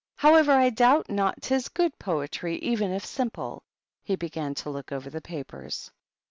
However, I doubt not 'tis good poetry, even if simple." He began to look over the papers.